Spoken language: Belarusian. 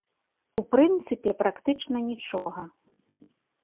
У прынцыпе, практычна нічога.